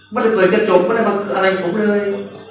ไม่ได้เปิดกระจกไม่ได้มาวากับของผมเลย